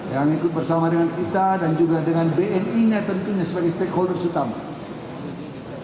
yang ikut bersama dengan kita dan juga dengan bni nya tentunya sebagai stakeholders utama